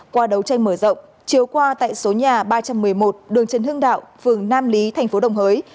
qua đấu tranh mở rộng chiếu qua tại số nhà ba trăm một mươi một đường trần hưng đạo phường nam lý tp đồng hới